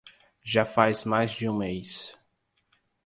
Já faz mais de um mês